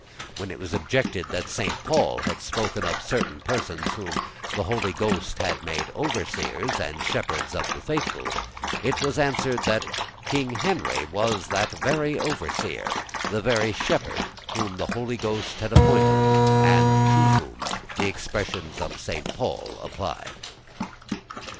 When it was objected that Saint Paul had spoken of certain persons whom the Holy Ghost had made overseers and shepherds of the faithful, it was answered that King Henry was the very overseer, the very shepherd whom the Holy Ghost had appointed, and to whom the expressions of Saint Paul applied.